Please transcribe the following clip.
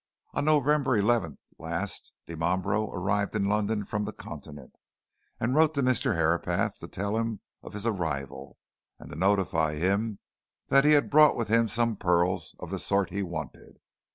On November 11th last Dimambro arrived in London from the Continent, and wrote to Mr. Herapath to tell him of his arrival, and to notify him that he had brought with him some pearls of the sort he wanted.